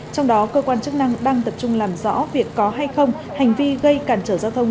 trong đó cơ quan chức năng đang tập trung làm rõ việc có hay không hành vi gây cản trở giao thông